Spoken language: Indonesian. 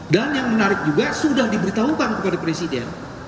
dan yang menarik juga sudah diberitahukan kepada presiden